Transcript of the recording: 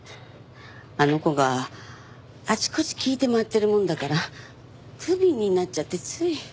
あの子があちこち聞いて回ってるもんだからふびんになっちゃってつい。